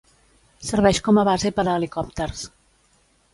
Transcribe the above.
Serveix com a base per a helicòpters.